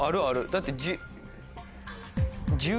だって。